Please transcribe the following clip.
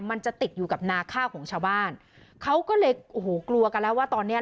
มันจะติดอยู่กับนาข้าวของชาวบ้านเขาก็เลยโอ้โหกลัวกันแล้วว่าตอนเนี้ย